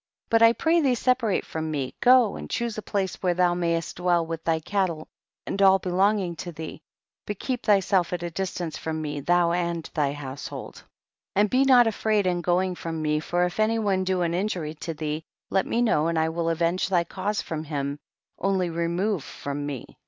42. But I pray thee separate from me, go and choose a place where thou mavst dwell with thy cattle and all belonging to thee, but keep thy self at a distance from me, thou and thy household. 43. And be not afraid in going from me, for if any one do an injury to thee, let me know and I will avenge thy cause from him, only re move from me.